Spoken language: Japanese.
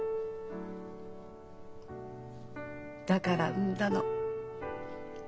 だから産んだの。